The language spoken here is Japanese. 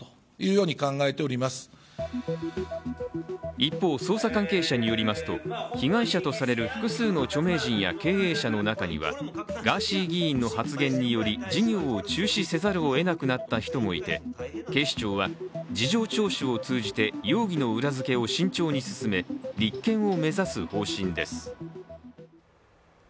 一方、捜査関係者によりますと被害者とされる複数の著名人や経営者の中にはガーシー議員の発言により事業を中止せざるを得なくなった人もいて警視庁は事情聴取を通じて容疑の裏付けを慎重に進め、立件を目指す方針です。